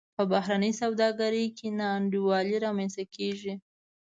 په بهرنۍ سوداګرۍ کې نا انډولي رامنځته کیږي.